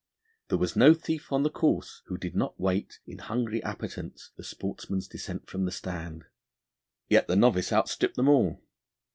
There was no thief on the course who did not wait, in hungry appetence, the sportsman's descent from the stand; yet the novice outstripped them all.